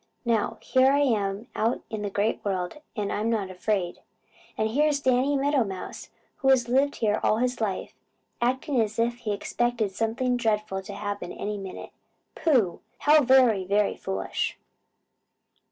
Now, here I am out in the Great World, and I'm not afraid. And here's Danny Meadow Mouse, who has lived here all his life, acting as if he expected something dreadful to happen any minute. Pooh! How very, very foolish!"